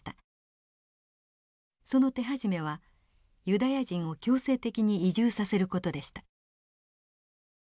その手始めはユダヤ人を強制的に移住させる事でした。